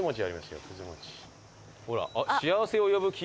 ほら。